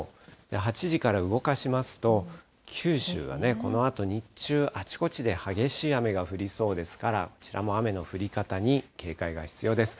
８時から動かしますと、九州はこのあと、日中、あちこちで激しい雨が降りそうですから、こちらも雨の降り方に警戒が必要です。